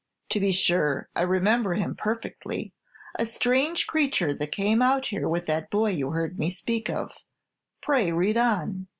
"To be sure, I remember him perfectly, a strange creature that came out here with that boy you heard me speak of. Pray read on."